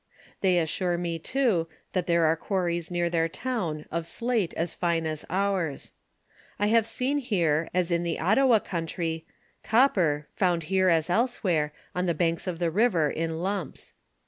They assure me, too, that there are quaiTies near the'r town of slate as fine as ours. I have seen here, as in the Ottawa country, copper, found here as elsewhere, on the banks of the river in lumps.